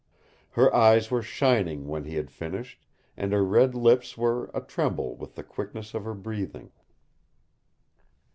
Her eyes were shining when he had finished, and her red lips were a tremble with the quickness of her breathing.